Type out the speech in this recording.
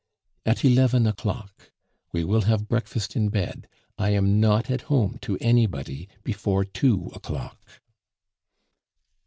"At eleven o'clock. We will have breakfast in bed. I am not at home to anybody before two o'clock."